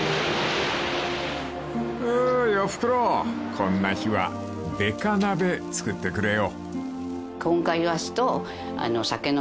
［こんな日はべか鍋作ってくれよ］